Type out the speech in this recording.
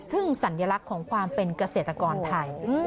สัญลักษณ์ของความเป็นเกษตรกรไทย